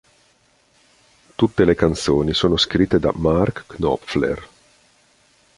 Tutte le canzoni sono scritte da Mark Knopfler.